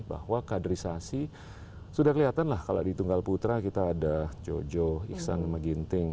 bahwa kaderisasi sudah kelihatan lah kalau di tunggal putra kita ada jojo iksan meginting